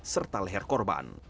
serta leher korban